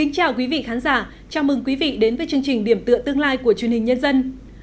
chào mừng quý vị đến với chương trình điểm tựa tương lai của truyền hình nhân dân